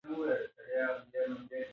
انجن اقتصادي و.